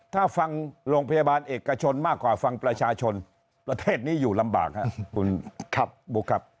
ถ้าฟังโรงพยาบาลเอกชนมากกว่าฟังประชาชนประเทศนี้อยู่ลำบากครับคุณครับบุ๊คครับ